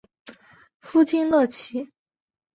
夫金乐琦。